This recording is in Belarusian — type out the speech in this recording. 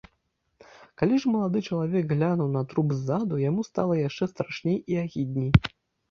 Калі ж малады чалавек глянуў на труп ззаду, яму стала яшчэ страшней і агідней.